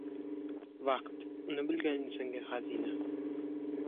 • Vaqt uni bilgan insonga ― xazina.